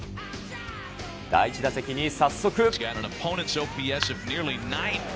第１打席に早速。